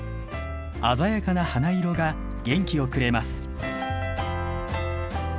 鮮やかな花色が元気をくれます。